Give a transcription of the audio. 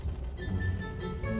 suaranya nggak jelas